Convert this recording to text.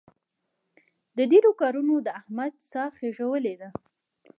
ډېرو کارونو د احمد ساه خېژولې ده.